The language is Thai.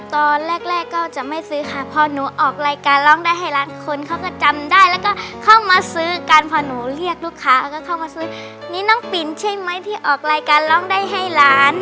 ตอนแรกแรกก็จะไม่ซื้อค่ะพอหนูออกรายการร้องได้ให้ล้านคนเขาก็จำได้แล้วก็เข้ามาซื้อกันพอหนูเรียกลูกค้าแล้วก็เข้ามาซื้อนี่น้องปินใช่ไหมที่ออกรายการร้องได้ให้ล้าน